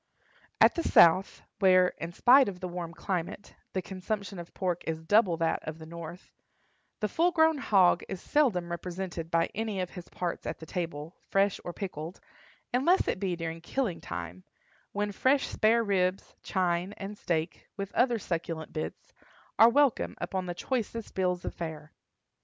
At the South, where, in spite of the warm climate, the consumption of pork is double that of the North, the full grown hog is seldom represented by any of his parts at the table, fresh or pickled, unless it be during killing time, when fresh spare ribs, chine, and steak, with other succulent bits, are welcome upon the choicest bills of fare.